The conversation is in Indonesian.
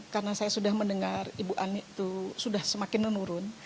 karena saya sudah mendengar ibu ani itu sudah semakin menurun